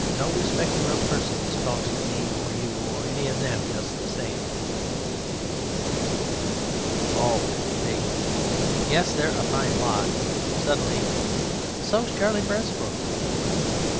No respecter of persons talks to me or you or any of them just the same. BALD (vaguely): Yes, they're a fine lot! (Suddenly) So's Charlie Beresford!